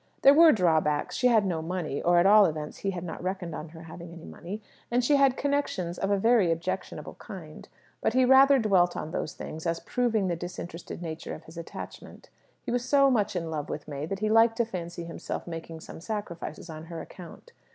There were drawbacks. She had no money (or at all events he had not reckoned on her having any money), and she had connections of a very objectionable kind. But he rather dwelt on these things, as proving the disinterested nature of his attachment. He was so much in love with May, that he liked to fancy himself making some sacrifices on her account.